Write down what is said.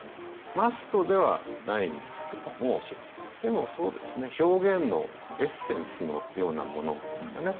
マストではないんですけどもでもそうですね表現のエッセンスのようなものですかね。